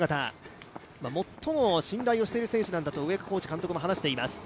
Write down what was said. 最も信頼をしている選手なんだと、コーチも話しています。